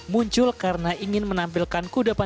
muncul karena ingin menampilkan kudapan